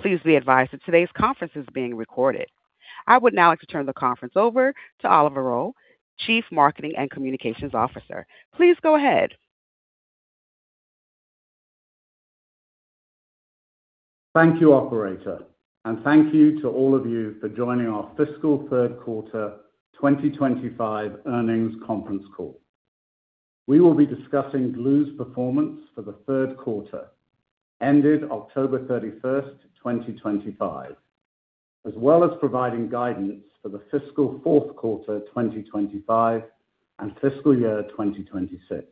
Please be advised that today's conference is being recorded. I would now like to turn the conference over to Oliver Rowe, Chief Marketing and Communications Officer. Please go ahead. Thank you, Operator, and thank you to all of you for joining our Fiscal Third Quarter 2025 Earnings Conference Call. We will be discussing Gloo's performance for the third quarter, ended October 31st, 2025, as well as providing guidance for the Fiscal Fourth Quarter 2025 and Fiscal Year 2026.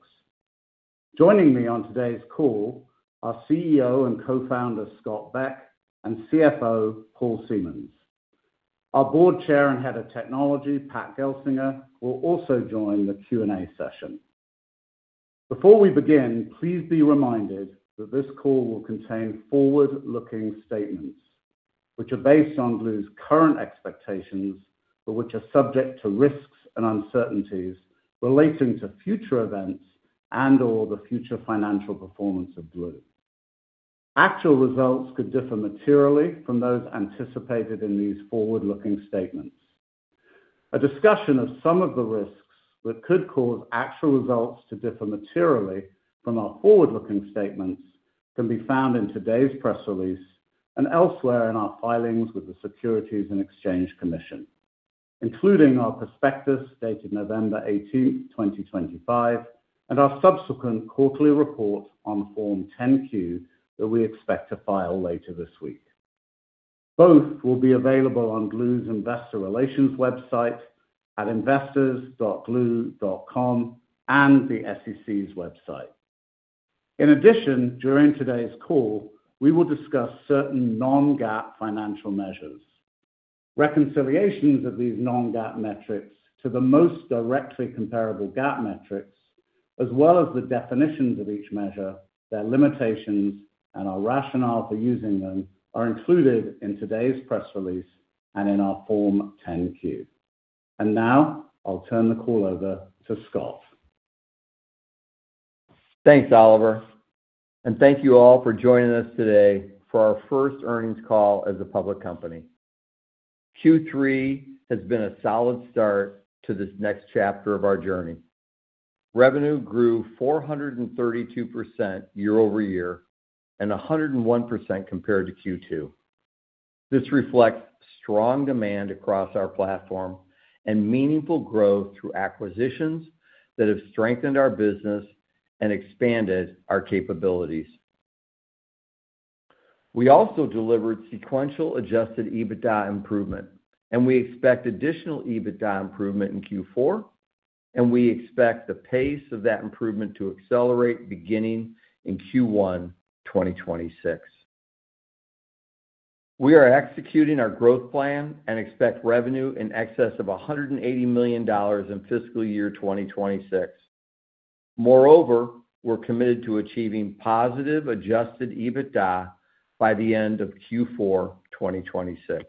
Joining me on today's call are CEO and Co-founder Scott Beck and CFO Paul Siemens. Our Board Chair and Head of Technology, Pat Gelsinger, will also join the Q&A session. Before we begin, please be reminded that this call will contain forward-looking statements, which are based on Gloo's current expectations, but which are subject to risks and uncertainties relating to future events and/or the future financial performance of Gloo. Actual results could differ materially from those anticipated in these forward-looking statements. A discussion of some of the risks that could cause actual results to differ materially from our forward-looking statements can be found in today's press release and elsewhere in our filings with the Securities and Exchange Commission, including our prospectus dated November 18th, 2025, and our subsequent quarterly report on Form 10-Q that we expect to file later this week. Both will be available on Gloo's Investor Relations website at investors.gloo.com and the SEC's website. In addition, during today's call, we will discuss certain non-GAAP financial measures. Reconciliations of these non-GAAP metrics to the most directly comparable GAAP metrics, as well as the definitions of each measure, their limitations, and our rationale for using them, are included in today's press release and in our Form 10-Q. And now I'll turn the call over to Scott. Thanks, Oliver, and thank you all for joining us today for our first earnings call as a public company. Q3 has been a solid start to this next chapter of our journey. Revenue grew 432% year-over-year and 101% compared to Q2. This reflects strong demand across our platform and meaningful growth through acquisitions that have strengthened our business and expanded our capabilities. We also delivered sequential adjusted EBITDA improvement, and we expect additional EBITDA improvement in Q4, and we expect the pace of that improvement to accelerate beginning in Q1 2026. We are executing our growth plan and expect revenue in excess of $180 million in fiscal year 2026. Moreover, we're committed to achieving positive adjusted EBITDA by the end of Q4 2026.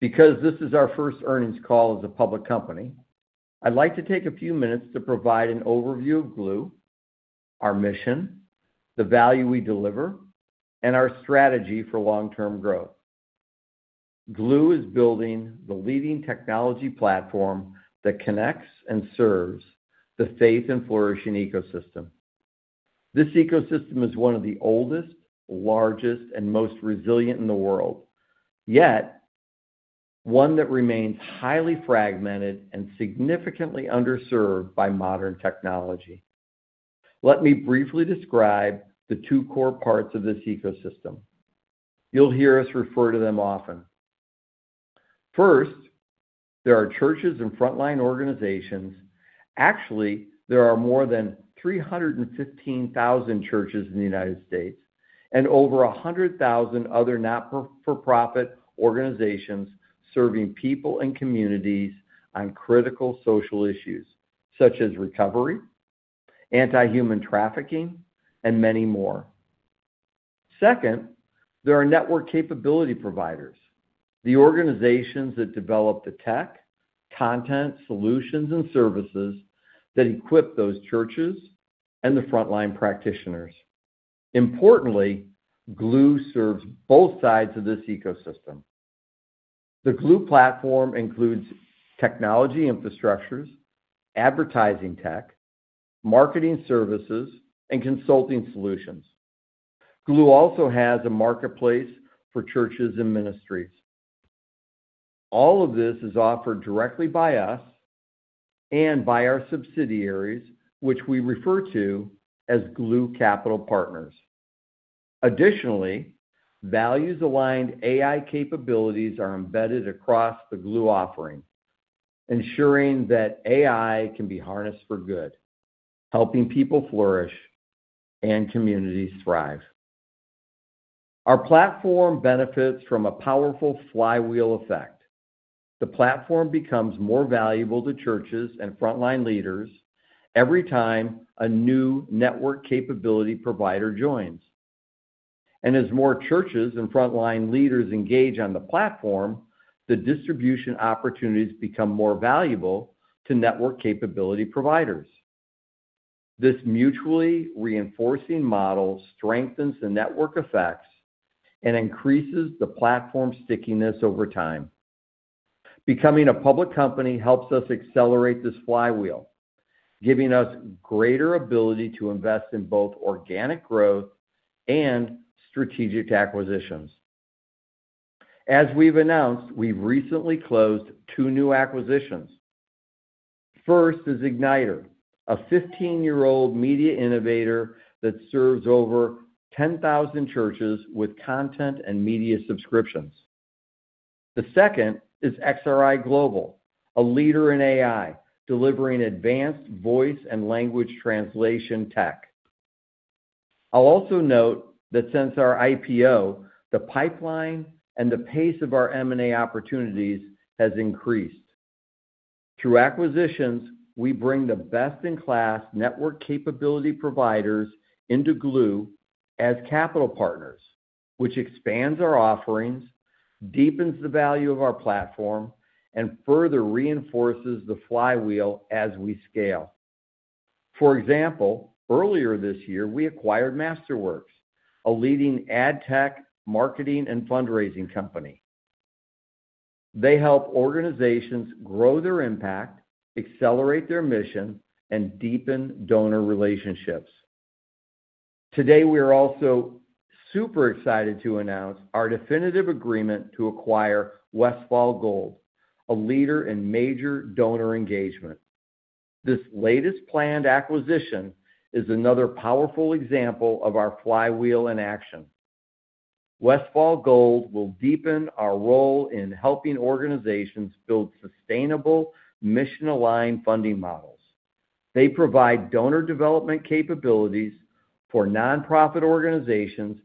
Because this is our first earnings call as a public company, I'd like to take a few minutes to provide an overview of Gloo, our mission, the value we deliver, and our strategy for long-term growth. Gloo is building the leading technology platform that connects and serves the faith and flourishing ecosystem. This ecosystem is one of the oldest, largest, and most resilient in the world, yet one that remains highly fragmented and significantly underserved by modern technology. Let me briefly describe the two core parts of this ecosystem. You'll hear us refer to them often. First, there are churches and frontline organizations. Actually, there are more than 315,000 churches in the United States and over 100,000 other not-for-profit organizations serving people and communities on critical social issues such as recovery, anti-human trafficking, and many more. Second, there are network capability providers, the organizations that develop the tech, content, solutions, and services that equip those churches and the frontline practitioners. Importantly, Gloo serves both sides of this ecosystem. The Gloo platform includes technology infrastructures, Advertising tech, marketing services, and consulting solutions. Gloo also has a Marketplace for churches and ministries. All of this is offered directly by us and by our subsidiaries, which we refer to as Gloo Capital Partners. Additionally, values-aligned AI capabilities are embedded across the Gloo offering, ensuring that AI can be harnessed for good, helping people flourish and communities thrive. Our platform benefits from a powerful flywheel effect. The platform becomes more valuable to churches and frontline leaders every time a new network capability provider joins. And as more churches and frontline leaders engage on the platform, the distribution opportunities become more valuable to network capability providers. This mutually reinforcing model strengthens the network effects and increases the platform's stickiness over time. Becoming a public company helps us accelerate this flywheel, giving us greater ability to invest in both organic growth and strategic acquisitions. As we've announced, we've recently closed two new acquisitions. First is Igniter, a 15-year-old media innovator that serves over 10,000 churches with content and media subscriptions. The second is XRI Global, a leader in AI, delivering advanced voice and language translation tech. I'll also note that since our IPO, the pipeline and the pace of our M&A opportunities has increased. Through acquisitions, we bring the best-in-class network capability providers into Gloo as capital partners, which expands our offerings, deepens the value of our platform, and further reinforces the flywheel as we scale. For example, earlier this year, we acquired Masterworks, a leading ad tech, marketing, and fundraising company. They help organizations grow their impact, accelerate their mission, and deepen donor relationships. Today, we are also super excited to announce our definitive agreement to acquire Westfall Gold, a leader in major donor engagement. This latest planned acquisition is another powerful example of our flywheel in action. Westfall Gold will deepen our role in helping organizations build sustainable, mission-aligned funding models. They provide donor development capabilities for nonprofit organizations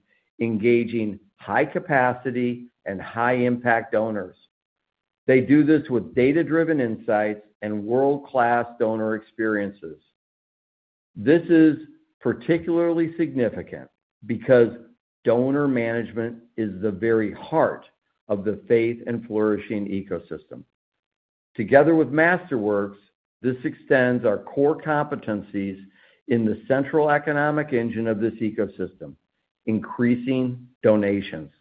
engaging high-capacity and high-impact donors. They do this with data-driven insights and world-class donor experiences. This is particularly significant because donor management is the very heart of the faith and flourishing ecosystem. Together with Masterworks, this extends our core competencies in the central economic engine of this ecosystem, increasing donations.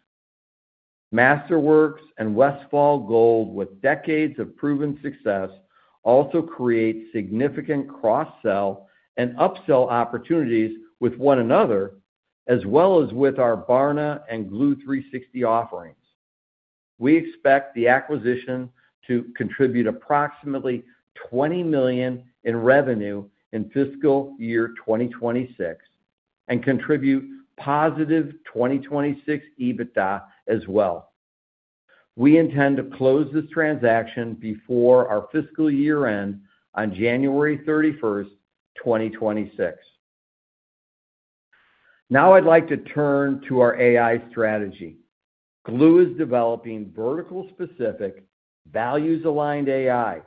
Masterworks and Westfall Gold, with decades of proven success, also create significant cross-sell and upsell opportunities with one another, as well as with our Barna and Gloo 360 offerings. We expect the acquisition to contribute approximately $20 million in revenue in fiscal year 2026 and contribute positive 2026 EBITDA as well. We intend to close this transaction before our fiscal year end on January 31st, 2026. Now I'd like to turn to our AI strategy. Gloo is developing vertical-specific, values-aligned AI.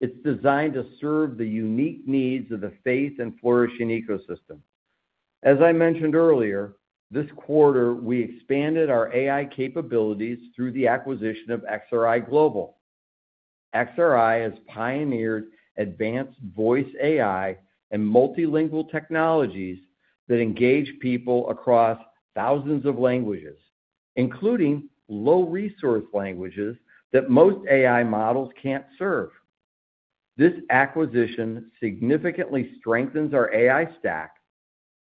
It's designed to serve the unique needs of the faith and flourishing ecosystem. As I mentioned earlier, this quarter, we expanded our AI capabilities through the acquisition of XRI Global. XRI has pioneered advanced voice AI and multilingual technologies that engage people across thousands of languages, including low-resource languages that most AI models can't serve. This acquisition significantly strengthens our AI stack.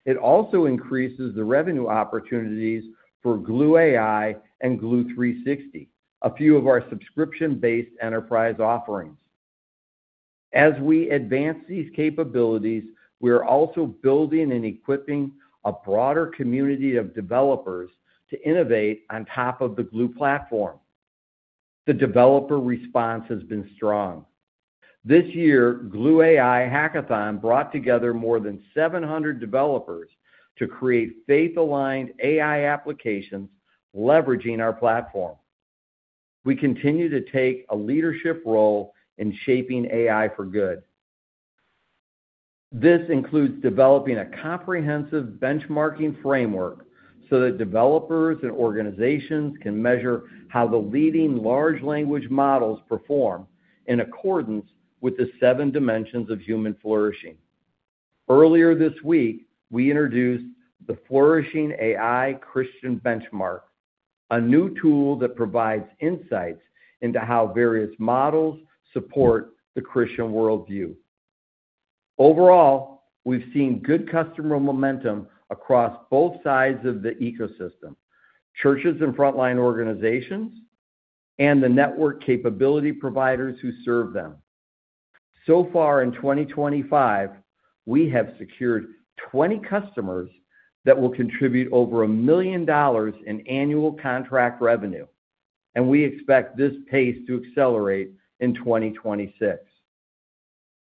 It also increases the revenue opportunities for Gloo AI and Gloo 360, a few of our Subscription-based enterprise offerings. As we advance these capabilities, we are also building and equipping a broader community of developers to innovate on top of the Gloo platform. The developer response has been strong. This year, Gloo AI Hackathon brought together more than 700 developers to create faith-aligned AI applications leveraging our platform. We continue to take a leadership role in shaping AI for good. This includes developing a comprehensive benchmarking framework so that developers and organizations can measure how the leading large language models perform in accordance with the seven dimensions of human flourishing. Earlier this week, we introduced the Flourishing AI Christian Benchmark, a new tool that provides insights into how various models support the Christian worldview. Overall, we've seen good customer momentum across both sides of the ecosystem: churches and frontline organizations and the network capability providers who serve them. So far in 2025, we have secured 20 customers that will contribute over $1 million in annual contract revenue, and we expect this pace to accelerate in 2026.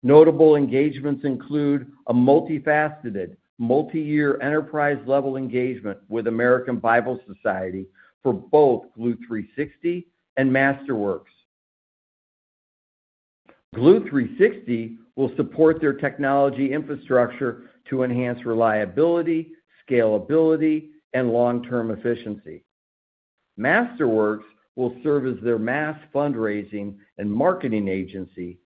Notable engagements include a multifaceted, multi-year enterprise-level engagement with American Bible Society for both Gloo 360 and Masterworks. Gloo 360 will support their technology infrastructure to enhance reliability, scalability, and long-term efficiency. Masterworks will serve as their mass fundraising and marketing agency,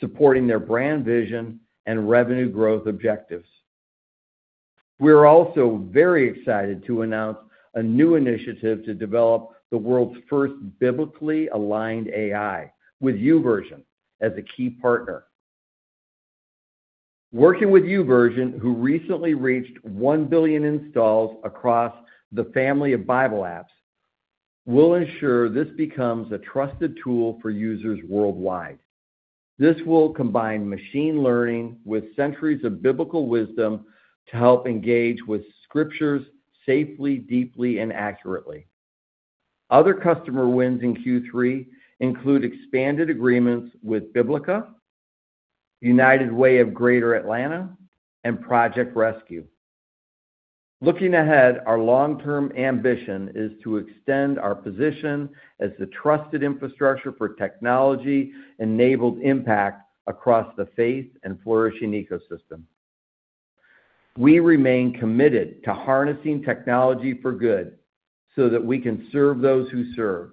supporting their brand vision and revenue growth objectives. We are also very excited to announce a new initiative to develop the world's first biblically aligned AI with YouVersion as a key partner. Working with YouVersion, who recently reached 1 billion installs across the family of Bible apps, will ensure this becomes a trusted tool for users worldwide. This will combine machine learning with centuries of biblical wisdom to help engage with scriptures safely, deeply, and accurately. Other customer wins in Q3 include expanded agreements with Biblica, United Way of Greater Atlanta, and Project Rescue. Looking ahead, our long-term ambition is to extend our position as the trusted infrastructure for technology-enabled impact across the faith and flourishing ecosystem. We remain committed to harnessing technology for good so that we can serve those who serve,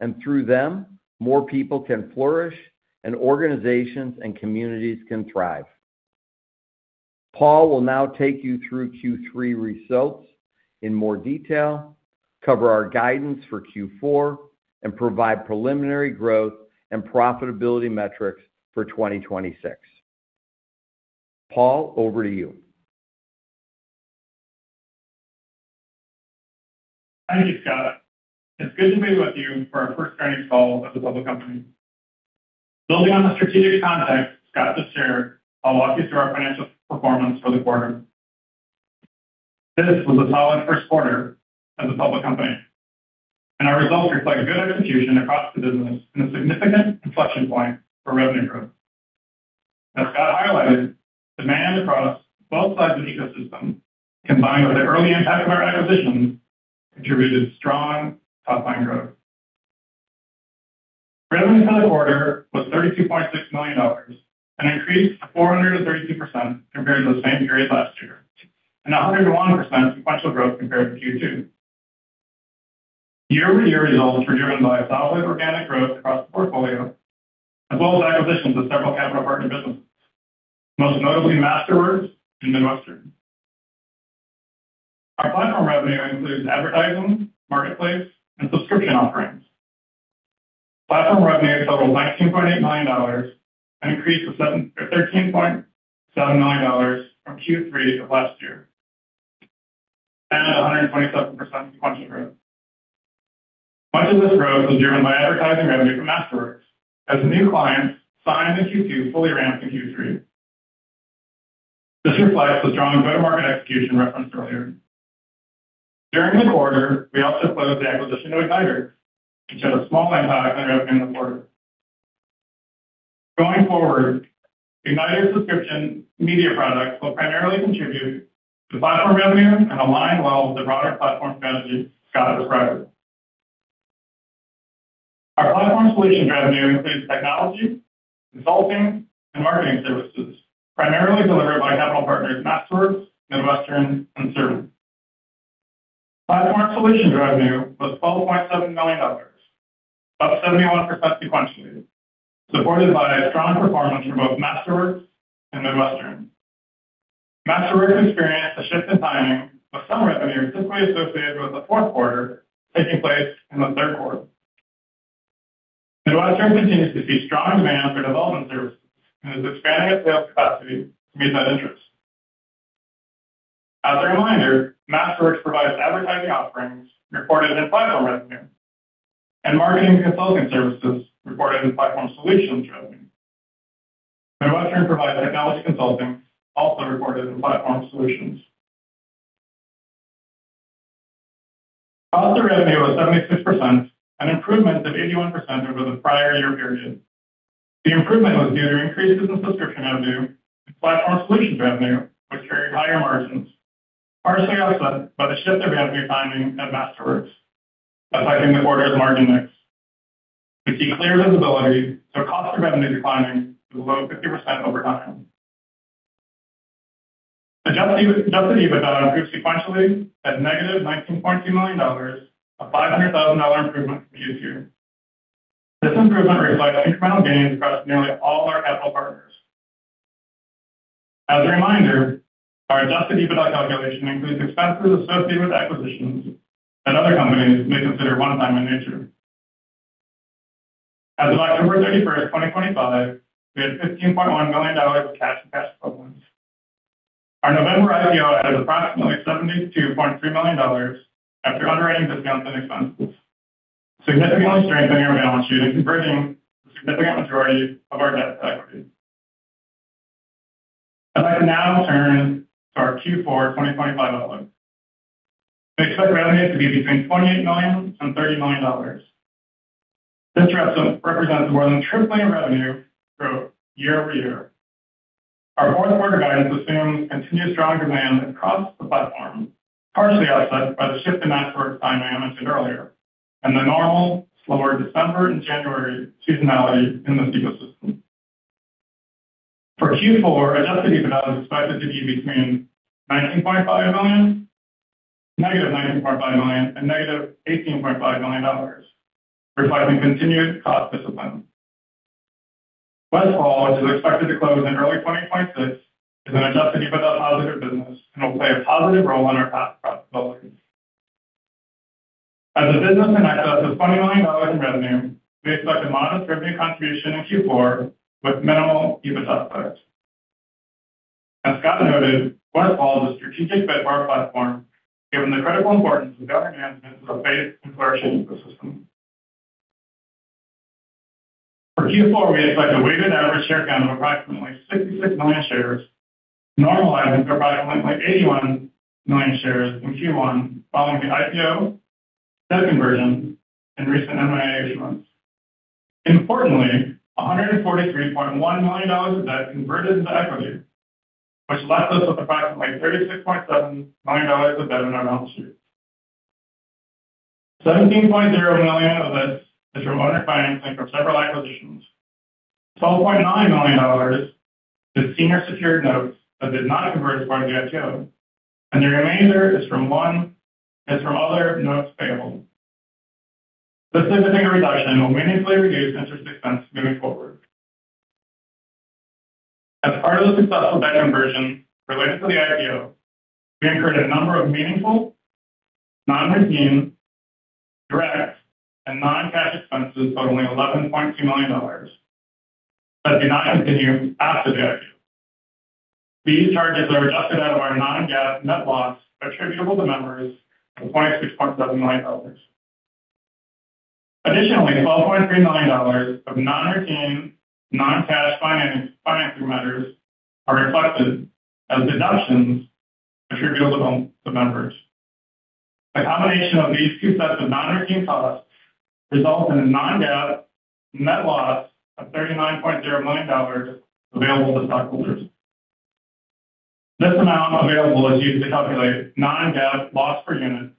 and through them, more people can flourish and organizations and communities can thrive. Paul will now take you through Q3 results in more detail, cover our guidance for Q4, and provide preliminary growth and profitability metrics for 2026. Paul, over to you. Thank you, Scott. It's good to be with you for our first earnings call as a public company. Building on the strategic context Scott just shared, I'll walk you through our financial performance for the quarter. This was a solid first quarter as a public company, and our results reflect good execution across the business and a significant inflection point for revenue growth. As Scott highlighted, demand across both sides of the ecosystem, combined with the early impact of our acquisitions, contributed strong top-line growth. Revenue for the quarter was $32.6 million, an increase of 432% compared to the same period last year, and 101% sequential growth compared to Q2. Year-over-year results were driven by solid organic growth across the portfolio, as well as acquisitions of several capital partner businesses, most notably Masterworks and Midwestern. Our platform revenue includes Advertising, Marketplace, and Subscription offerings. Platform revenue totaled $19.8 million and increased to $13.7 million from Q3 of last year, and 127% sequential growth. Much of this growth was driven by Advertising revenue from Masterworks as new clients signed in Q2, fully ramped in Q3. This reflects the strong go-to-market execution referenced earlier. During the quarter, we also closed the acquisition of Igniter, which had a small impact on revenue in the quarter. Going forward, Igniter's Subscription media products will primarily contribute to platform revenue and align well with the broader platform strategy Scott described. Our Platform Solutions revenue includes technology, consulting, and marketing services, primarily delivered by capital partners Masterworks, Midwestern, and Servant. Platform solutions revenue was $12.7 million, up 71% sequentially, supported by strong performance from both Masterworks and Midwestern. Masterworks experienced a shift in timing, with some revenue typically associated with the fourth quarter taking place in the third quarter. Midwestern continues to see strong demand for development services and is expanding its sales capacity to meet that interest. As a reminder, Masterworks provides Advertising offerings reported in platform revenue and marketing consulting services reported in Platform Solutions revenue. Midwestern provides technology consulting also reported in Platform Solutions. Cost of revenue was 76%, an improvement of 81% over the prior year period. The improvement was due to increases in Subscription revenue, and Platform Solutions revenue was carrying higher margins, partially offset by the shift of revenue timing at Masterworks, affecting the quarter's margin mix. We see clear visibility to a cost of revenue declining to below 50% over time. Adjusted EBITDA improved sequentially at negative $19.2 million, a $500,000 improvement from Q2. This improvement reflects incremental gains across nearly all our capital partners. As a reminder, our Adjusted EBITDA calculation includes expenses associated with acquisitions that other companies may consider one-time in nature. As of October 31st, 2025, we had $15.1 million of cash and cash equivalents. Our November IPO added approximately $72.3 million after underwriting discounts and expenses, significantly strengthening our balance sheet and converting the significant majority of our debt to equity. I'd like to now turn to our Q4 2025 outlook. We expect revenue to be between $28 million and $30 million. This represents more than tripling revenue growth year over year. Our fourth quarter guidance assumes continued strong demand across the platform, partially offset by the shift in Masterworks timing I mentioned earlier, and the normal slower December and January seasonality in this ecosystem. For Q4, Adjusted EBITDA is expected to be between $19.5 million, negative $19.5 million, and negative $18.5 million, reflecting continued cost discipline. Westfall, which is expected to close in early 2026, is an Adjusted EBITDA positive business and will play a positive role in our past profitability. As the business in excess of $20 million in revenue, we expect a modest revenue contribution in Q4 with minimal EBITDA effect. As Scott noted, Westfall is a strategic bid for our platform, given the critical importance of governing management of the faith and flourishing ecosystem. For Q4, we expect a weighted average share count of approximately 66 million shares, normalizing to approximately 81 million shares in Q1, following the IPO, debt conversion, and recent M&A issuance. Importantly, $143.1 million of that converted into equity, which left us with approximately $36.7 million of debt on our balance sheet. $17.0 million of this is from owner financing from several acquisitions. $12.9 million is senior secured notes that did not convert as part of the IPO, and the remainder is from other notes payable. This significant reduction will meaningfully reduce interest expense moving forward. As part of the successful debt conversion related to the IPO, we incurred a number of meaningful non-routine, direct, and non-cash expenses totaling $11.2 million that did not continue after the IPO. These charges are adjusted out of our non-GAAP net loss attributable to members of $26.7 million. Additionally, $12.3 million of non-routine, non-cash financing matters are reflected as deductions attributable to members. The combination of these two sets of non-routine costs results in a non-GAAP net loss of $39.0 million available to stockholders. This amount available is used to calculate non-GAAP loss per unit,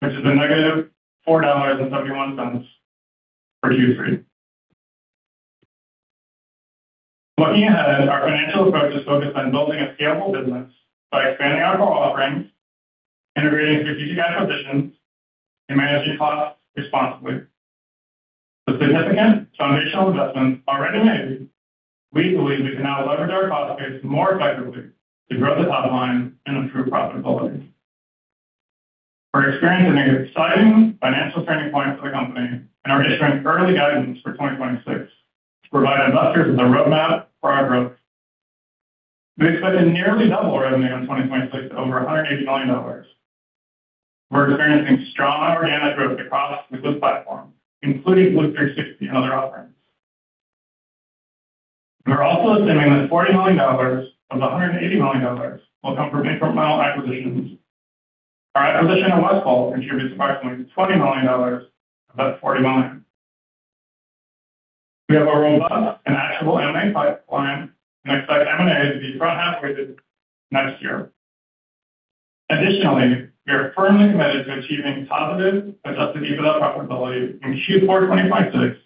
which is a negative $4.71 for Q3. Looking ahead, our financial approach is focused on building a scalable business by expanding our core offerings, integrating strategic acquisitions, and managing costs responsibly. With significant foundational investments already made, we believe we can now leverage our cost base more effectively to grow the top line and improve profitability. We're experiencing an exciting financial turning point for the company and are issuing early guidance for 2026 to provide investors with a roadmap for our growth. We expect a nearly double revenue in 2026 to over $180 million. We're experiencing strong organic growth across the Gloo Holdings platform, including Gloo 360 and other offerings. We're also assuming that $40 million of the $180 million will come from incremental acquisitions. Our acquisition of Westfall contributes approximately $20 million of that $40 million. We have a robust and actionable M&A pipeline and expect M&A to be front-half weighted next year. Additionally, we are firmly committed to achieving positive Adjusted EBITDA profitability in Q4 2026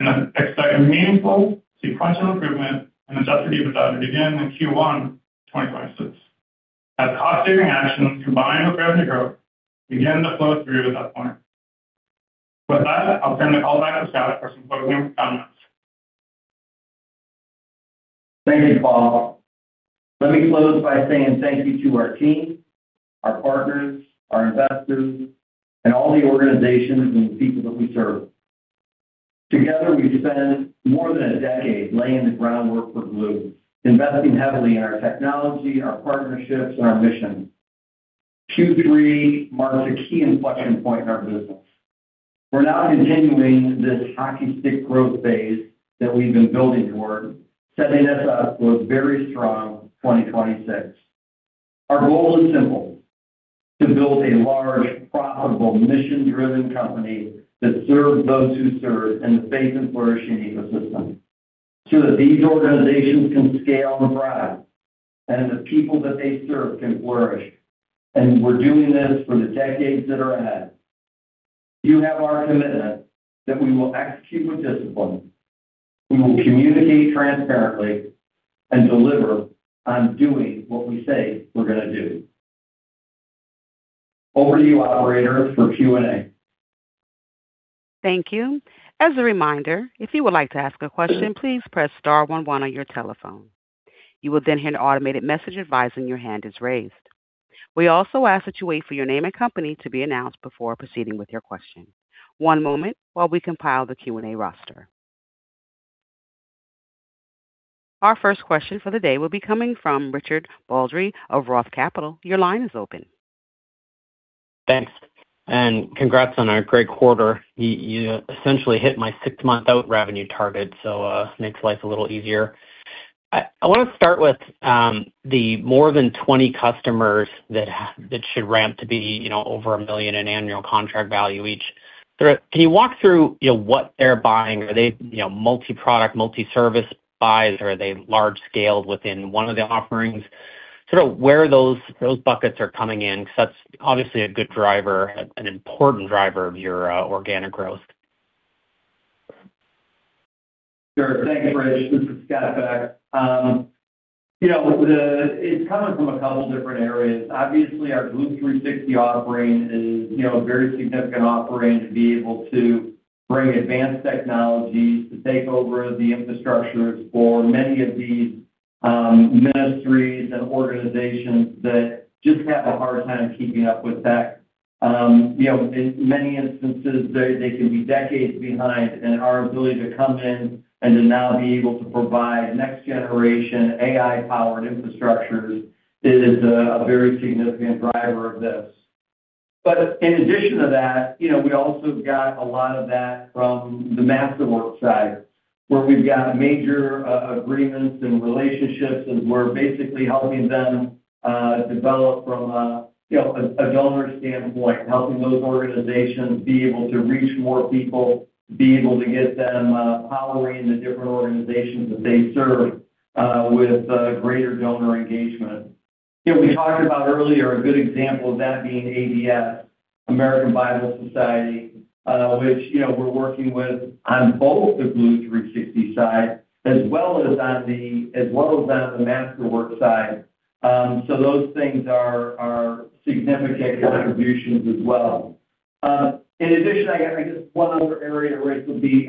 and expect a meaningful sequential improvement in Adjusted EBITDA to begin in Q1 2026, as cost-saving actions combined with revenue growth begin to flow through at that point. With that, I'll turn the call back to Scott for some closing comments. Thank you, Paul. Let me close by saying thank you to our team, our partners, our investors, and all the organizations and the people that we serve. Together, we've spent more than a decade laying the groundwork for Gloo, investing heavily in our technology, our partnerships, and our mission. Q3 marks a key inflection point in our business. We're now continuing this hockey stick growth phase that we've been building toward, setting us up for a very strong 2026. Our goal is simple: to build a large, profitable, mission-driven company that serves those who serve in the Faith and flourishing ecosystem, so that these organizations can scale and thrive, and the people that they serve can flourish. And we're doing this for the decades that are ahead. You have our commitment that we will execute with discipline, we will communicate transparently, and deliver on doing what we say we're going to do. Over to you Thank you. As a reminder, if you would like to ask a question, please press star 11 on your telephone. You will then hear an automated message advising your hand is raised. We also ask that you wait for your name and company to be announced before proceeding with your question. One moment while we compile the Q&A roster. Our first question for the day will be coming from Richard Baldry of Roth Capital. You're line is open. Thanks, and congrats on our great quarter. You essentially hit my six-month out revenue target, so it makes life a little easier. I want to start with the more than 20 customers that should ramp to be over a million in annual contract value each. Can you walk through what they're buying? Are they multi-product, multi-service buys, or are they large-scaled within one of the offerings? Sort of where those buckets are coming in, because that's obviously a good driver, an important driver of your organic growth. Sure. Thanks, Rich. This is Scott Beck. It's coming from a couple of different areas. Obviously, our Gloo 360 offering is a very significant offering to be able to bring advanced technologies to take over the infrastructures for many of these ministries and organizations that just have a hard time keeping up with tech. In many instances, they can be decades behind, and our ability to come in and to now be able to provide next-generation AI-powered infrastructures is a very significant driver of this. But in addition to that, we also got a lot of that from the Masterworks side, where we've got major agreements and relationships, and we're basically helping them develop from a donor standpoint, helping those organizations be able to reach more people, be able to get them powering the different organizations that they serve with greater donor engagement. We talked about earlier a good example of that being ABS, American Bible Society, which we're working with on both the Gloo 360 side as well as on the Masterworks side. So those things are significant contributions as well. In addition, I guess one other area, Rich, would be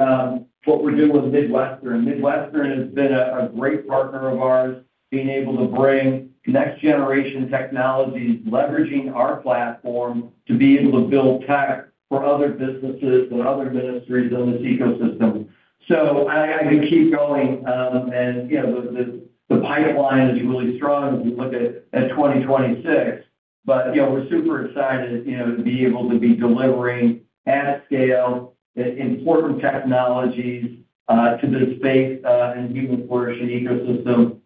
what we're doing with Midwestern. Midwestern has been a great partner of ours, being able to bring next-generation technologies, leveraging our platform to be able to build tech for other businesses and other ministries in this ecosystem. So I could keep going, and the pipeline is really strong as we look at 2026, but we're super excited to be able to be delivering at scale important technologies to this faith and human flourishing ecosystem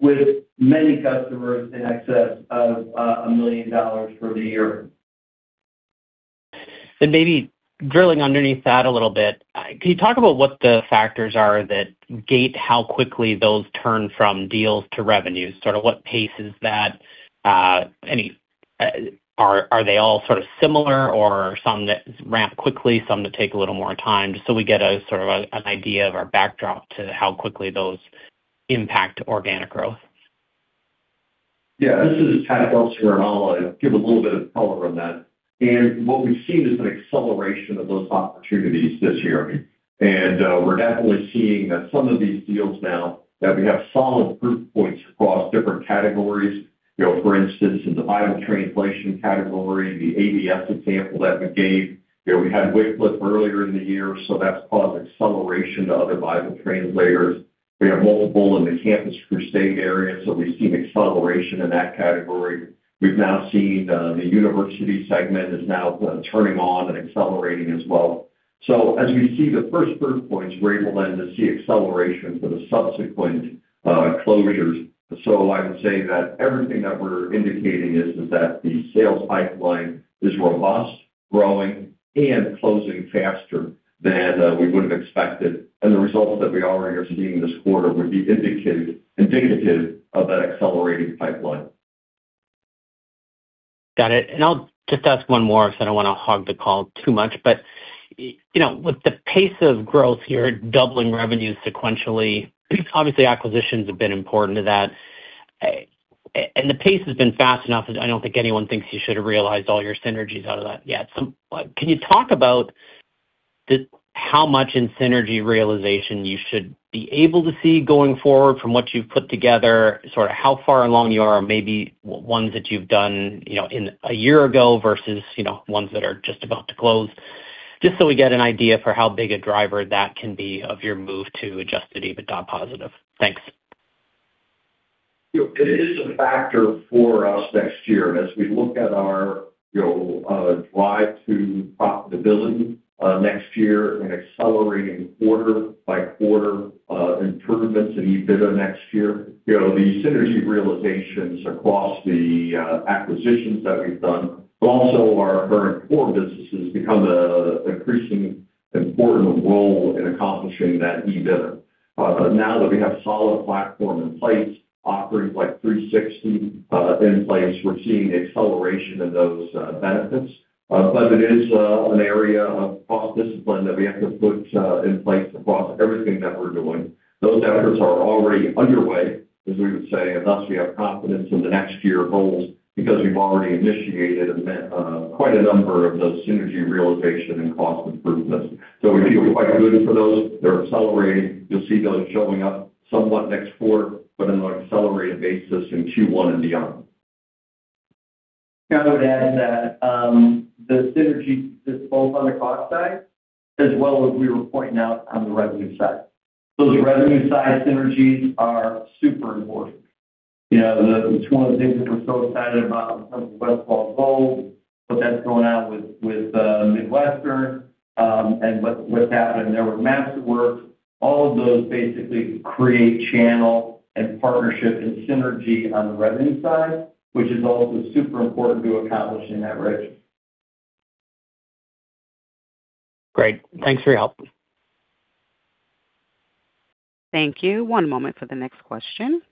with many customers in excess of $1 million for the year. And maybe drilling underneath that a little bit, can you talk about what the factors are that gate how quickly those turn from deals to revenues? Sort of what pace is that? Are they all sort of similar, or some that ramp quickly, some that take a little more time? Just so we get a sort of an idea of our backdrop to how quickly those impact organic growth. Yeah, this is Pat Gelsinger, and I'll give a little bit of color on that, and what we've seen is an acceleration of those opportunities this year, and we're definitely seeing that some of these deals now that we have solid proof points across different categories. For instance, in the Bible translation category, the ABS example that we gave, we had Wycliffe Bible Translators earlier in the year, so that's caused acceleration to other Bible translators. We have multiple in the Campus Crusade area, so we've seen acceleration in that category. We've now seen the university segment is now turning on and accelerating as well, so as we see the first proof points, we're able then to see acceleration for the subsequent closures, so I would say that everything that we're indicating is that the sales pipeline is robust, growing, and closing faster than we would have expected. The results that we already are seeing this quarter would be indicative of that accelerating pipeline. Got it. And I'll just ask one more because I don't want to hog the call too much. But with the pace of growth here, doubling revenues sequentially, obviously acquisitions have been important to that. And the pace has been fast enough that I don't think anyone thinks you should have realized all your synergies out of that yet. Can you talk about how much in synergy realization you should be able to see going forward from what you've put together, sort of how far along you are, maybe ones that you've done a year ago versus ones that are just about to close? Just so we get an idea for how big a driver that can be of your move to adjusted EBITDA positive. Thanks. It is a factor for us next year. As we look at our drive to profitability next year and accelerating quarter-by-quarter improvements in EBITDA next year, the synergy realizations across the acquisitions that we've done, but also our current core businesses become an increasingly important role in accomplishing that EBITDA. Now that we have a solid platform in place, offerings like 360 in place, we're seeing acceleration in those benefits. But it is an area of cross-discipline that we have to put in place across everything that we're doing. Those efforts are already underway, as we would say, and thus we have confidence in the next year goals because we've already initiated quite a number of those synergy realization and cost improvements. So we feel quite good for those. They're accelerating. You'll see those showing up somewhat next quarter, but on an accelerated basis in Q1 and beyond. I would add that the synergy is both on the cost side as well as we were pointing out on the revenue side. Those revenue-side synergies are super important. It's one of the things that we're so excited about in terms of Westfall Gold, what that's going on with Midwestern, and what's happening. There were Masterworks. All of those basically create channel and partnership and synergy on the revenue side, which is also super important to accomplish in that region. Great. Thanks for your help. Thank you. One moment for the next question.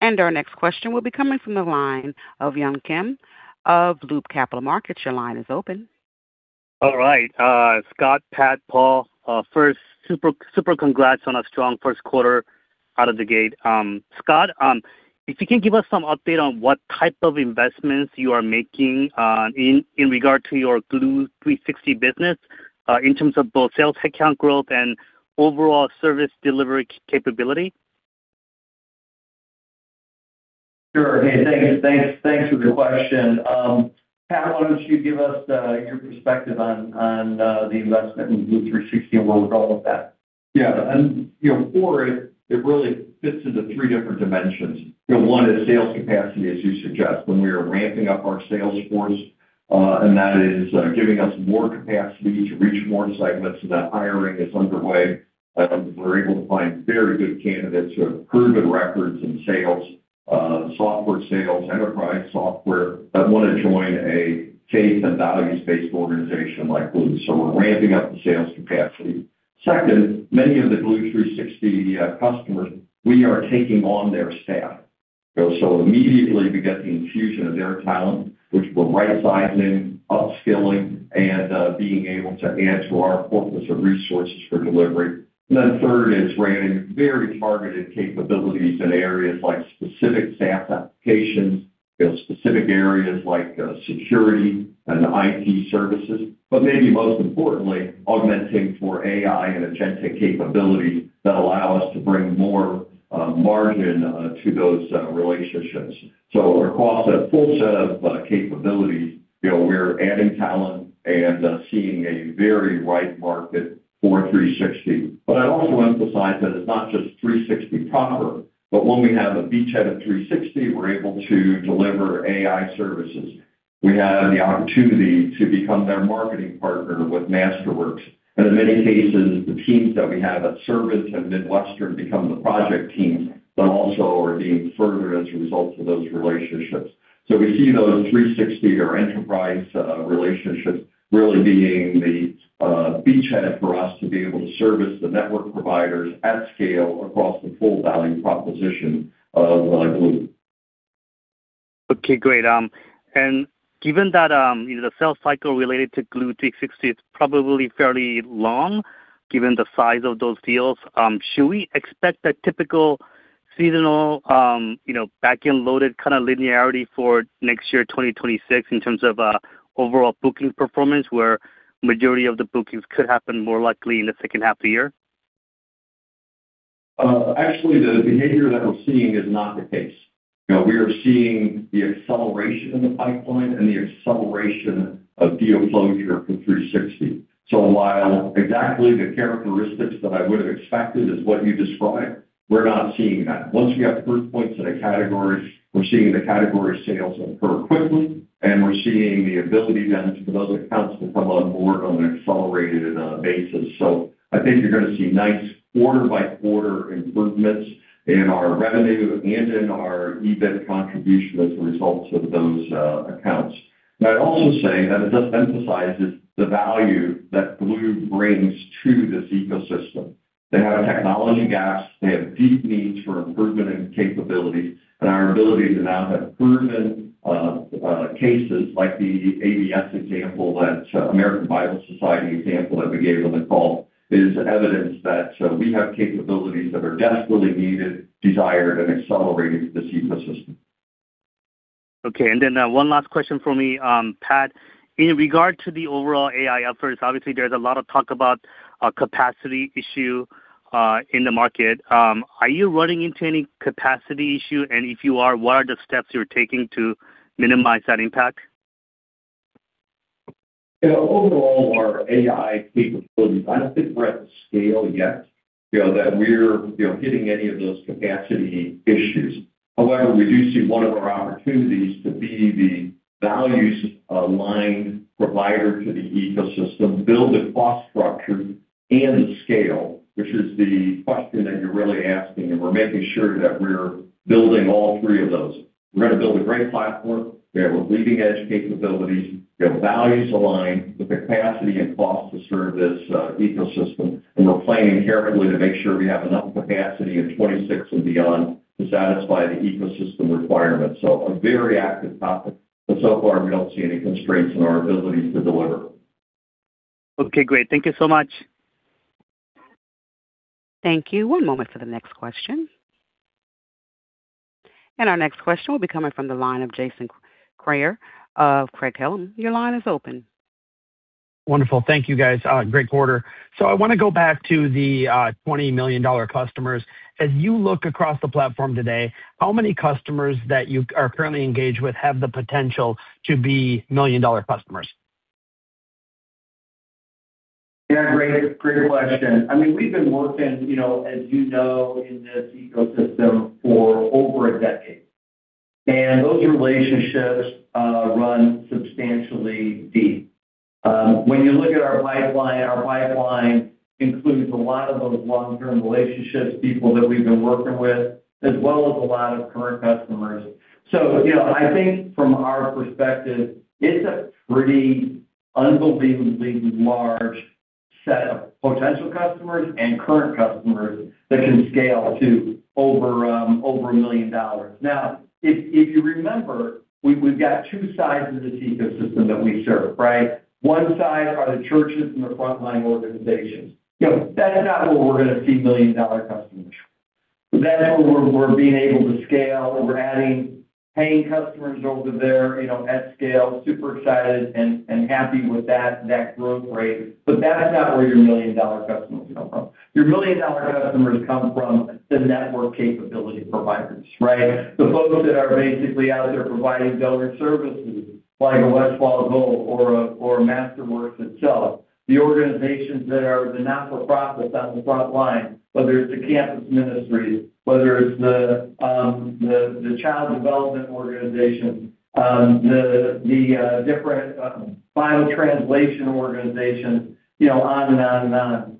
And our next question will be coming from the line of Yun Kim of Loop Capital Markets. Your line is open. All right. Scott, Pat, Paul, first, super congrats on a strong first quarter out of the gate. Scott, if you can give us some update on what type of investments you are making in regard to your Gloo 360 business in terms of both sales headcount growth and overall service delivery capability? Sure. Hey, thanks. Thanks for the question. Pat, why don't you give us your perspective on the investment in Gloo 360 and where we're going with that? Yeah. And for it, it really fits into three different dimensions. One is sales capacity, as you suggest, when we are ramping up our sales force, and that is giving us more capacity to reach more segments. That hiring is underway. We're able to find very good candidates who have proven records in sales, software sales, enterprise software that want to join a faith and values-based organization like Gloo. So we're ramping up the sales capacity. Second, many of the Gloo 360 customers, we are taking on their staff. So immediately we get the infusion of their talent, which we're right-sizing, upskilling, and being able to add to our corpus of resources for delivery. And then third is ramping very targeted capabilities in areas like specific SaaS applications, specific areas like security and IT services, but maybe most importantly, augmenting for AI and agentic capabilities that allow us to bring more margin to those relationships. So across a full set of capabilities, we're adding talent and seeing a very ripe market for 360. But I'd also emphasize that it's not just 360 proper, but when we have a beachhead of 360, we're able to deliver AI services. We have the opportunity to become their marketing partner with Masterworks. And in many cases, the teams that we have at Servant and Midwestern become the project teams that also are being furthered as a result of those relationships. So we see those 360 or enterprise relationships really being the beachhead for us to be able to service the network providers at scale across the full value proposition of Gloo. Okay, great. And given that the sales cycle related to Gloo 360 is probably fairly long, given the size of those deals, should we expect that typical seasonal back-end loaded kind of linearity for next year, 2026, in terms of overall booking performance, where the majority of the bookings could happen more likely in the second half of the year? Actually, the behavior that we're seeing is not the case. We are seeing the acceleration of the pipeline and the acceleration of deal closure for 360. So while exactly the characteristics that I would have expected is what you described, we're not seeing that. Once we have proof points in a category, we're seeing the category sales occur quickly, and we're seeing the ability then for those accounts to come on board on an accelerated basis. So I think you're going to see nice quarter-by-quarter improvements in our revenue and in our EBIT contribution as a result of those accounts. And I'd also say that it just emphasizes the value that Gloo brings to this ecosystem. They have technology gaps. They have deep needs for improvement and capabilities. Our ability to now have proven cases, like the ABS example, that American Bible Society example that we gave on the call, is evidence that we have capabilities that are desperately needed, desired, and accelerated for this ecosystem. Okay. And then one last question for me, Pat. In regard to the overall AI efforts, obviously there's a lot of talk about a capacity issue in the market. Are you running into any capacity issue? And if you are, what are the steps you're taking to minimize that impact? Overall, our AI capabilities, I don't think we're at the scale yet that we're hitting any of those capacity issues. However, we do see one of our opportunities to be the values-aligned provider to the ecosystem, build the cost structure and the scale, which is the question that you're really asking, and we're making sure that we're building all three of those. We're going to build a great platform. We have leading-edge capabilities. We have values aligned with the capacity and cost to serve this ecosystem, and we're planning carefully to make sure we have enough capacity in 2026 and beyond to satisfy the ecosystem requirements, so a very active topic, but so far, we don't see any constraints in our abilities to deliver. Okay, great. Thank you so much. Thank you. One moment for the next question. And our next question will be coming from the line of Jason Kreyer. Your line is open. Wonderful. Thank you, guys. Great quarter. So I want to go back to the $20 million customers. As you look across the platform today, how many customers that you are currently engaged with have the potential to be million-dollar customers? Yeah, great question. I mean, we've been working, as you know, in this ecosystem for over a decade, and those relationships run substantially deep. When you look at our pipeline, our pipeline includes a lot of those long-term relationships, people that we've been working with, as well as a lot of current customers, so I think from our perspective, it's a pretty unbelievably large set of potential customers and current customers that can scale to over $1 million. Now, if you remember, we've got two sides of this ecosystem that we serve, right? One side are the churches and the frontline organizations. That's not where we're going to see $1 million-dollar customers. That's where we're being able to scale. We're adding paying customers over there at scale, super excited and happy with that growth rate, but that's not where your $1 million-dollar customers come from. Your million-dollar customers come from the network capability providers, right? The folks that are basically out there providing donor services like a Westfall Gold or Masterworks itself, the organizations that are the not-for-profits on the front line, whether it's the campus ministries, whether it's the child development organizations, the different Bible translation organizations, on and on and on.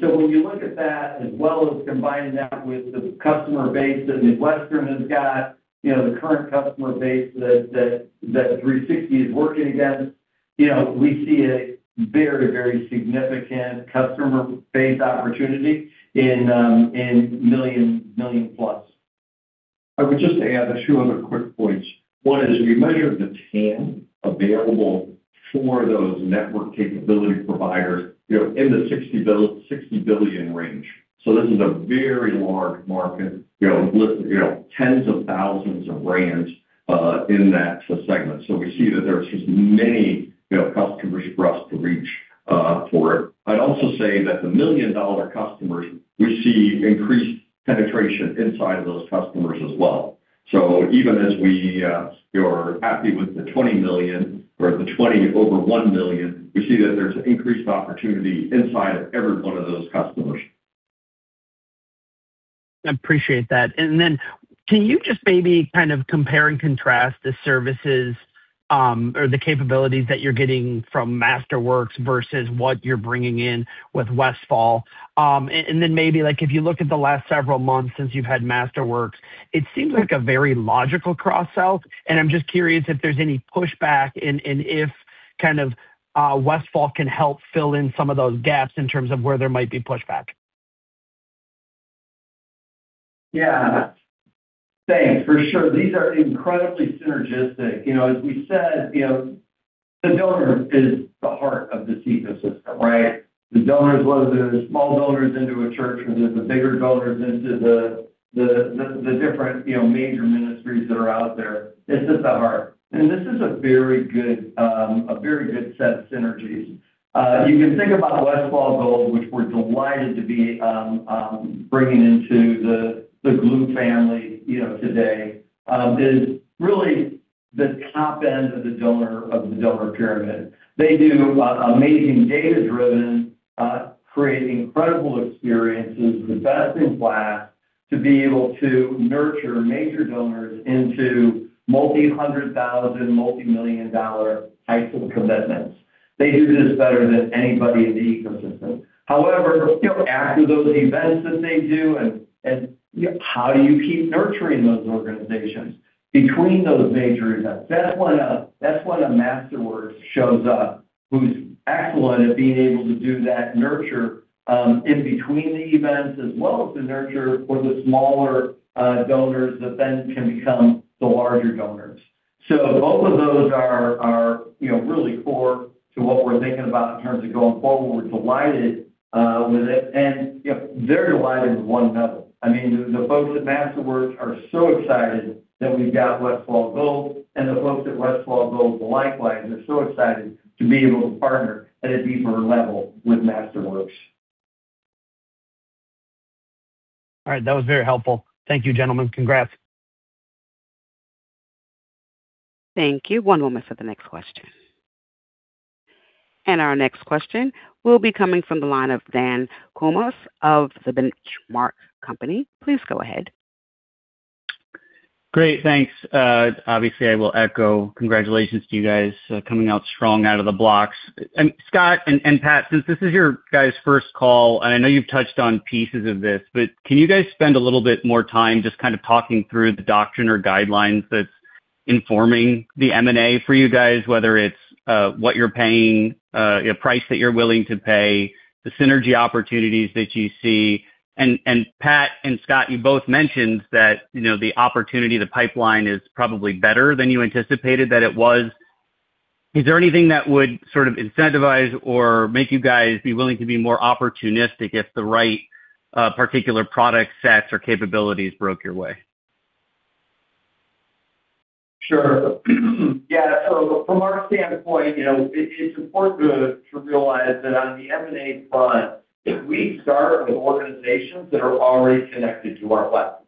So when you look at that, as well as combining that with the customer base that Midwestern has got, the current customer base that 360 is working against, we see a very, very significant customer base opportunity in million-plus. I would just add a few other quick points. One is we measured the TAM available for those network capability providers in the $60 billion range. So this is a very large market, tens of thousands of brands in that segment. So we see that there's just many customers for us to reach for it. I'd also say that the million-dollar customers, we see increased penetration inside of those customers as well. So even as we are happy with the $20 million or the 20 over $1 million, we see that there's an increased opportunity inside of every one of those customers. I appreciate that. And then can you just maybe kind of compare and contrast the services or the capabilities that you're getting from Masterworks versus what you're bringing in with Westfall? And then maybe if you look at the last several months since you've had Masterworks, it seems like a very logical cross-sell. And I'm just curious if there's any pushback and if kind of Westfall can help fill in some of those gaps in terms of where there might be pushback. Yeah. Thanks. For sure. These are incredibly synergistic. As we said, the donor is the heart of this ecosystem, right? The donors, whether they're small donors into a church or they're the bigger donors into the different major ministries that are out there, it's at the heart, and this is a very good set of synergies. You can think about Westfall Gold, which we're delighted to be bringing into the Gloo family today, is really the top end of the donor pyramid. They do amazing data-driven, create incredible experiences, the best in class to be able to nurture major donors into multi-hundred thousand, multi-million dollar types of commitments. They do this better than anybody in the ecosystem. However, after those events that they do, and how do you keep nurturing those organizations between those major events? That's when a Masterworks shows up, who's excellent at being able to do that nurture in between the events, as well as the nurture for the smaller donors that then can become the larger donors. So both of those are really core to what we're thinking about in terms of going forward. We're delighted with it. And they're delighted with one another. I mean, the folks at Masterworks are so excited that we've got Westfall Gold, and the folks at Westfall Gold likewise are so excited to be able to partner at a deeper level with Masterworks. All right. That was very helpful. Thank you, gentlemen. Congrats. Thank you. One moment for the next question. And our next question will be coming from the line of Daniel Kurnos of The Benchmark Company. Please go ahead. Great. Thanks. Obviously, I will echo congratulations to you guys coming out strong out of the blocks. Scott and Pat, since this is your guys' first call, and I know you've touched on pieces of this, but can you guys spend a little bit more time just kind of talking through the doctrine or guidelines that's informing the M&A for you guys, whether it's what you're paying, the price that you're willing to pay, the synergy opportunities that you see? And Pat and Scott, you both mentioned that the opportunity, the pipeline is probably better than you anticipated that it was. Is there anything that would sort of incentivize or make you guys be willing to be more opportunistic if the right particular product sets or capabilities broke your way? Sure. Yeah. So from our standpoint, it's important to realize that on the M&A front, we start with organizations that are already connected to our platform.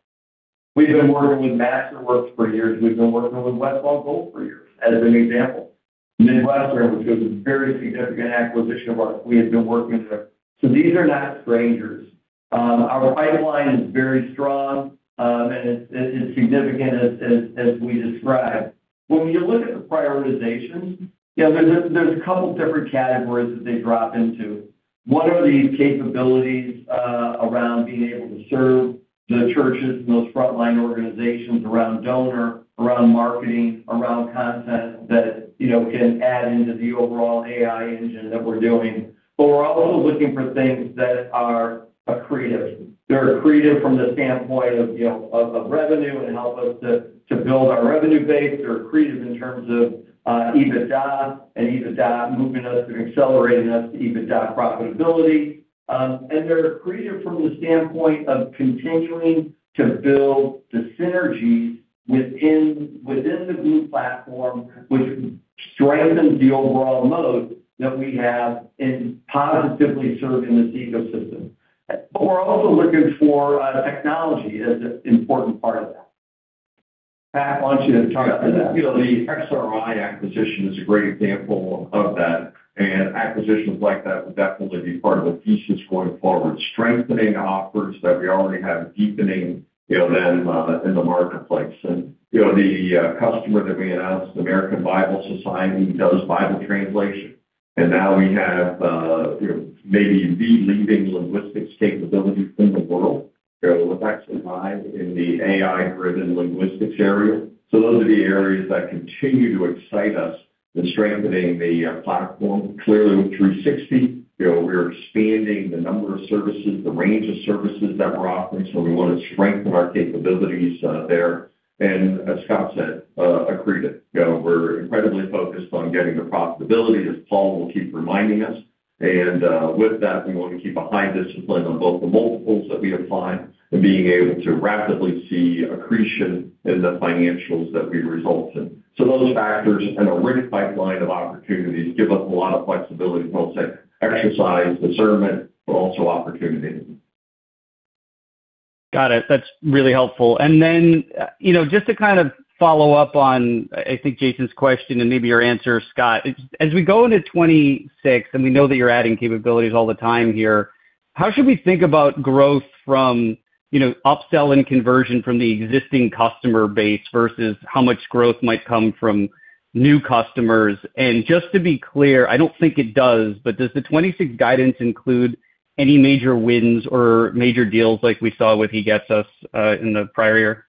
We've been working with Masterworks for years. We've been working with Westfall Gold for years, as an example. Midwestern, which was a very significant acquisition of ours, we have been working with. So these are not strangers. Our pipeline is very strong, and it's significant, as we described. When you look at the prioritizations, there's a couple of different categories that they drop into. One of the capabilities around being able to serve the churches and those frontline organizations around donor, around marketing, around content that can add into the overall AI engine that we're doing. But we're also looking for things that are accretive. They're accretive from the standpoint of revenue and help us to build our revenue base. They're accretive in terms of EBITDA and EBITDA moving us and accelerating us to EBITDA profitability. And they're accretive from the standpoint of continuing to build the synergies within the Gloo platform, which strengthens the overall moat that we have in positively serving this ecosystem. But we're also looking for technology as an important part of that. Pat, why don't you talk about that? The XRI acquisition is a great example of that. And acquisitions like that would definitely be part of the thesis going forward, strengthening the offers that we already have, deepening them in the Marketplace. And the customer that we announced, American Bible Society, does Bible translation. And now we have maybe the leading linguistics capability in the world. We're actually live in the AI-driven linguistics area. So those are the areas that continue to excite us in strengthening the platform. Clearly, with 360, we're expanding the number of services, the range of services that we're offering. So we want to strengthen our capabilities there. And as Scott said, accretive. We're incredibly focused on getting the profitability, as Paul will keep reminding us. And with that, we want to keep a high discipline on both the multiples that we apply and being able to rapidly see accretion in the financials that we result in. So those factors and a rich pipeline of opportunities give us a lot of flexibility to both exercise discernment, but also opportunity. Got it. That's really helpful. And then just to kind of follow up on, I think, Jason's question and maybe your answer, Scott, as we go into 2026, and we know that you're adding capabilities all the time here, how should we think about growth from upsell and conversion from the existing customer base versus how much growth might come from new customers? And just to be clear, I don't think it does, but does the 2026 guidance include any major wins or major deals like we saw with He Gets Us in the prior year?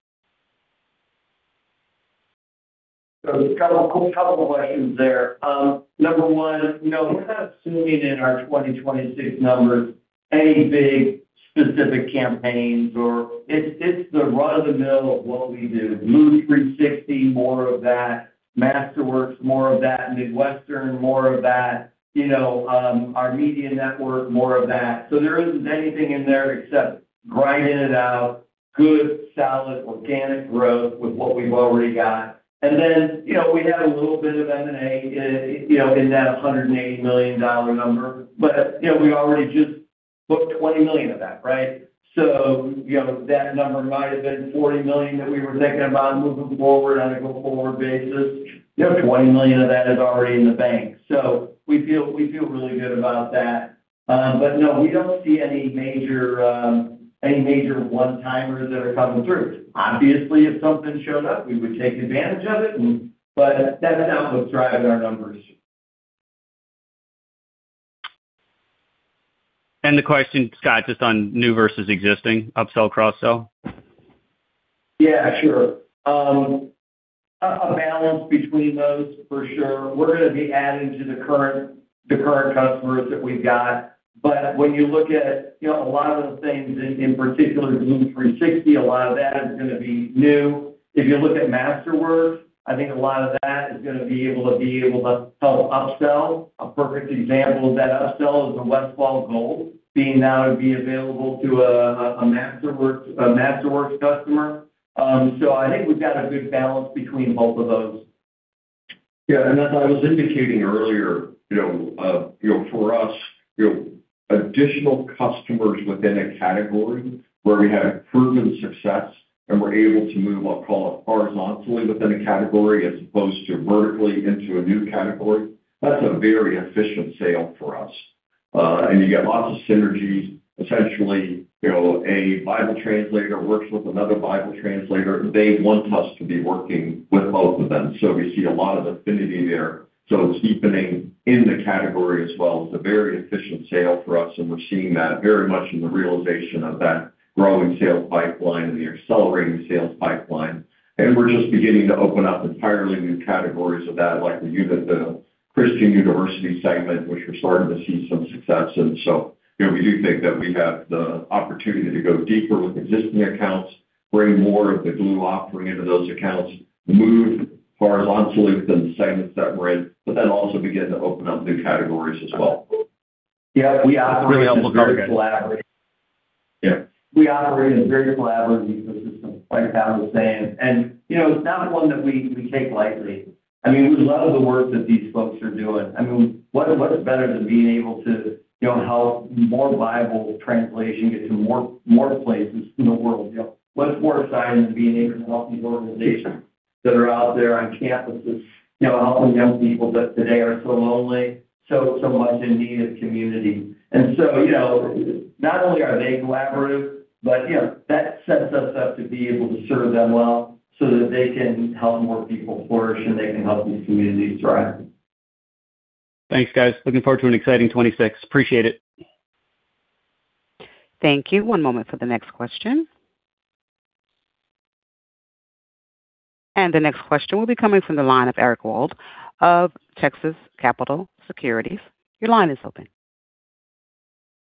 A couple of questions there. Number one, we're not assuming in our 2026 numbers any big specific campaigns, or it's the run-of-the-mill of what we do. Gloo 360, more of that. Masterworks, more of that. Midwestern, more of that. Our media network, more of that. So there isn't anything in there except grinding it out, good, solid, organic growth with what we've already got. And then we had a little bit of M&A in that $180 million number, but we already just booked $20 million of that, right? So that number might have been $40 million that we were thinking about moving forward on a go-forward basis. $20 million of that is already in the bank. So we feel really good about that. But no, we don't see any major one-timers that are coming through. Obviously, if something showed up, we would take advantage of it, but that's not what's driving our numbers. The question, Scott, just on new versus existing, upsell, cross-sell? Yeah, sure. A balance between those, for sure. We're going to be adding to the current customers that we've got. But when you look at a lot of the things, in particular, Gloo 360, a lot of that is going to be new. If you look at Masterworks, I think a lot of that is going to be able to help upsell. A perfect example of that upsell is the Westfall Gold being now to be available to a Masterworks customer. So I think we've got a good balance between both of those. Yeah, and as I was indicating earlier, for us, additional customers within a category where we have proven success and we're able to move, I'll call it, horizontally within a category as opposed to vertically into a new category, that's a very efficient sale for us, and you get lots of synergies. Essentially, a Bible translator works with another Bible translator, and they want us to be working with both of them. So we see a lot of affinity there, so it's deepening in the category as well. It's a very efficient sale for us, and we're seeing that very much in the realization of that growing sales pipeline and the accelerating sales pipeline, and we're just beginning to open up entirely new categories of that, like the Christian university segment, which we're starting to see some success in. We do think that we have the opportunity to go deeper with existing accounts, bring more of the Gloo offering into those accounts, move horizontally within the segments that we're in, but then also begin to open up new categories as well. Yep. We operate in a very collaborative ecosystem, like Pat was saying. And it's not one that we take lightly. I mean, we love the work that these folks are doing. I mean, what's better than being able to help more Bible translation get to more places in the world? What's more exciting than being able to help these organizations that are out there on campuses, helping young people that today are so lonely, so much in need of community? And so not only are they collaborative, but that sets us up to be able to serve them well so that they can help more people flourish and they can help these communities thrive. Thanks, guys. Looking forward to an exciting 2026. Appreciate it. Thank you. One moment for the next question. And the next question will be coming from the line of Eric Wold of Texas Capital Securities. Your line is open.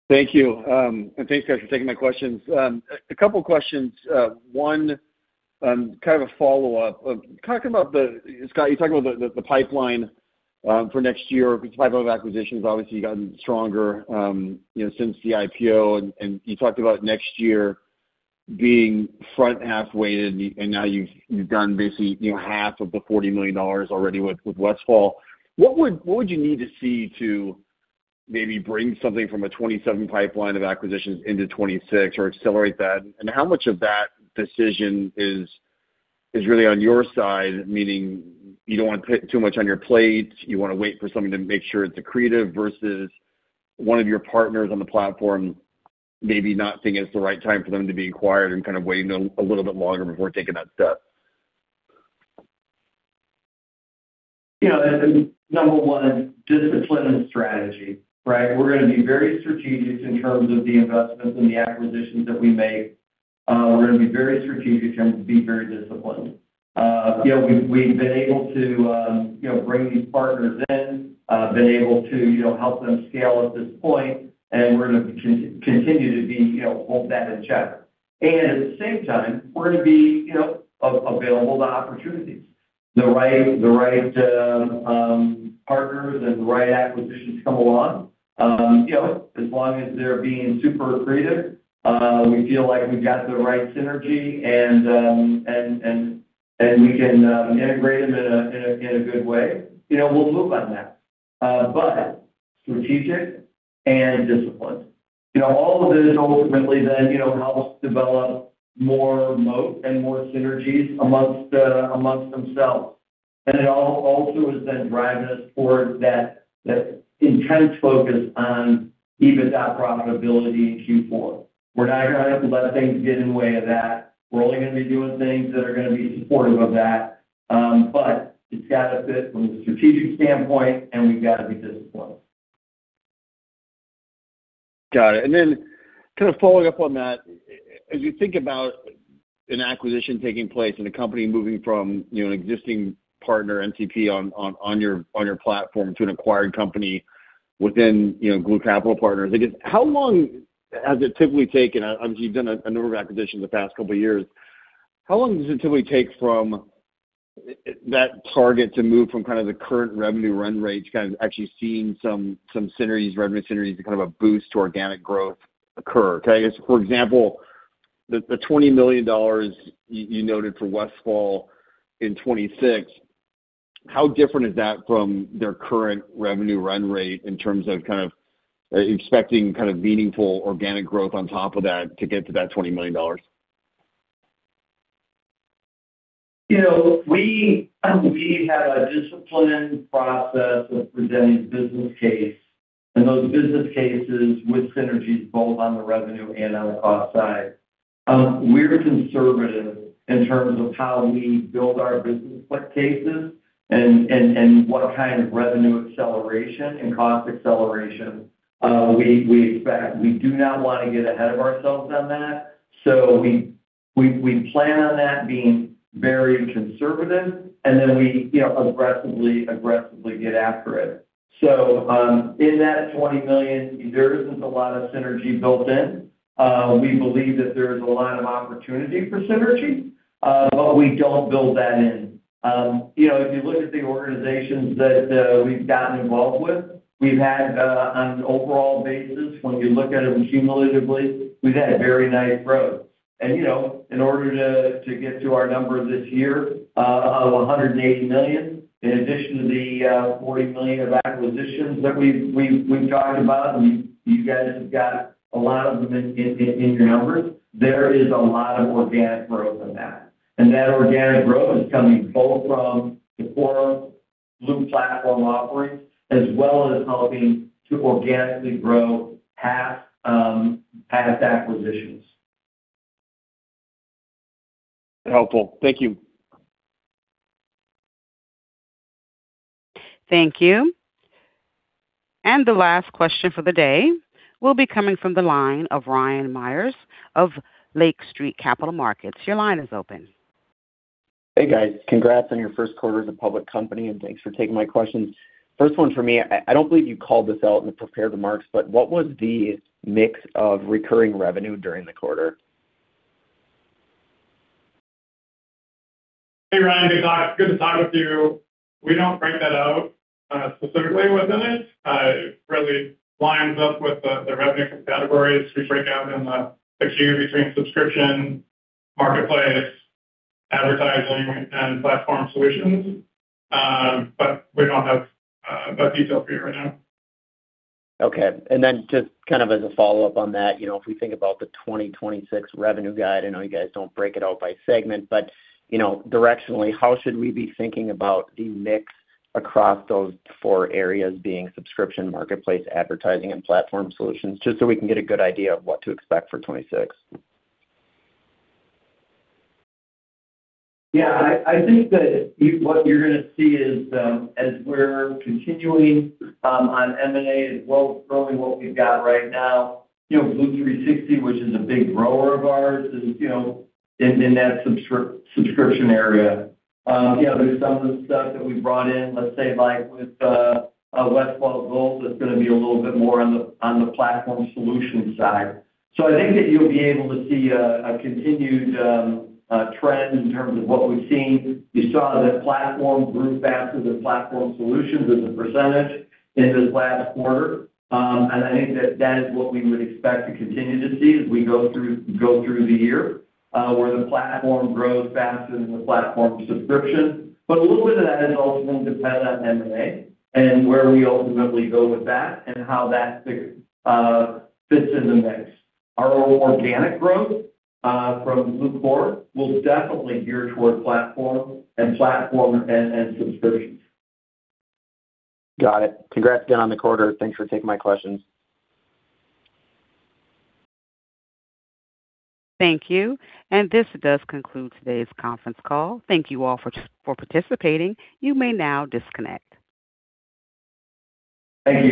Thank you. And thanks, guys, for taking my questions. A couple of questions. One, kind of a follow-up. Scott, you talked about the pipeline for next year. The pipeline of acquisitions, obviously, you gotten stronger since the IPO. And you talked about next year being front-half weighted, and now you've done basically half of the $40 million already with Westfall. What would you need to see to maybe bring something from a 2027 pipeline of acquisitions into 2026 or accelerate that? And how much of that decision is really on your side, meaning you don't want to put too much on your plate, you want to wait for something to make sure it's accretive versus one of your partners on the platform maybe not thinking it's the right time for them to be acquired and kind of waiting a little bit longer before taking that step? Yeah. Number one, discipline and strategy, right? We're going to be very strategic in terms of the investments and the acquisitions that we make. We're going to be very strategic and be very disciplined. We've been able to bring these partners in, been able to help them scale at this point, and we're going to continue to hold that in check. And at the same time, we're going to be available to opportunities. The right partners and the right acquisitions come along. As long as they're being super accretive, we feel like we've got the right synergy, and we can integrate them in a good way, we'll move on that. But strategic and disciplined. All of this ultimately then helps develop more moat and more synergies amongst themselves. And it also is then driving us towards that intense focus on EBITDA profitability in Q4. We're not going to let things get in the way of that. We're only going to be doing things that are going to be supportive of that. But it's got to fit from the strategic standpoint, and we've got to be disciplined. Got it. And then kind of following up on that, as you think about an acquisition taking place and a company moving from an existing partner, MCP, on your platform to an acquired company within Gloo Capital Partners, I guess, how long has it typically taken? Obviously, you've done a number of acquisitions in the past couple of years. How long does it typically take for that target to move from kind of the current revenue run rates, kind of actually seeing some synergies, revenue synergies, and kind of a boost to organic growth occur? I guess, for example, the $20 million you noted for Westfall in 2026, how different is that from their current revenue run rate in terms of kind of expecting kind of meaningful organic growth on top of that to get to that $20 million? We have a disciplined process of presenting business case, and those business cases with synergies both on the revenue and on the cost side. We're conservative in terms of how we build our business cases and what kind of revenue acceleration and cost acceleration we expect. We do not want to get ahead of ourselves on that. So we plan on that being very conservative, and then we aggressively get after it. So in that $20 million, there isn't a lot of synergy built in. We believe that there is a lot of opportunity for synergy, but we don't build that in. If you look at the organizations that we've gotten involved with, we've had, on an overall basis, when you look at them cumulatively, we've had very nice growth. And in order to get to our number this year of $180 million, in addition to the $40 million of acquisitions that we've talked about, and you guys have got a lot of them in your numbers, there is a lot of organic growth in that. And that organic growth is coming both from the core Gloo platform offerings as well as helping to organically grow past acquisitions. Helpful. Thank you. Thank you. And the last question for the day will be coming from the line of Ryan Meyers of Lake Street Capital Markets. Your line is open. Hey, guys. Congrats on your first quarter as a public company, and thanks for taking my questions. First one for me, I don't believe you called this out in the prepared remarks, but what was the mix of recurring revenue during the quarter? Hey, Ryan. Good to talk with you. We don't break that out specifically within it. It really lines up with the revenue categories we break out in the Q between Subscription, Marketplace, Advertising, and Platform Solutions. But we don't have a detail for you right now. Okay. And then just kind of as a follow-up on that, if we think about the 2026 revenue guide, I know you guys don't break it out by segment, but directionally, how should we be thinking about the mix across those four areas being Subscription, Marketplace, Advertising, and Platform Solutions just so we can get a good idea of what to expect for 2026? Yeah. I think that what you're going to see is, as we're continuing on M&A and growing what we've got right now, Gloo 360, which is a big grower of ours, is in that Subscription area. There's some of the stuff that we brought in, let's say, with Westfall Gold, that's going to be a little bit more on the platform solution side. So I think that you'll be able to see a continued trend in terms of what we've seen. You saw the platform grew faster than Platform Solutions as a percentage in this last quarter. And I think that that is what we would expect to continue to see as we go through the year, where the platform grows faster than the platform subscription. But a little bit of that is ultimately dependent on M&A and where we ultimately go with that and how that fits in the mix. Our organic growth from Gloo core will definitely gear toward platform and subscriptions. Got it. Congrats again on the quarter. Thanks for taking my questions. Thank you. And this does conclude today's conference call. Thank you all for participating. You may now disconnect. Thank you.